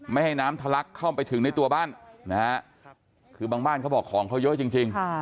ไม่ให้น้ำทะลักเข้าไปถึงในตัวบ้านนะฮะคือบางบ้านเขาบอกของเขาเยอะจริง